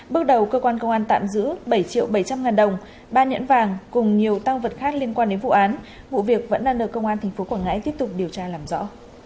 bước đầu cơ quan công an tạm giữ bảy triệu bảy trăm linh ngàn đồng ba nhẫn vàng cùng nhiều tăng vật khác liên quan đến vụ án vụ việc vẫn đang được công an tp quảng ngãi tiếp tục điều tra làm rõ